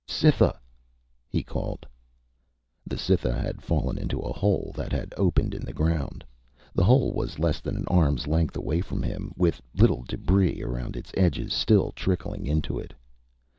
"Cytha!" he called. The Cytha had fallen into a hole that had opened in the ground. The hole was less than an arm's length away from him, with a little debris around its edges still trickling into it.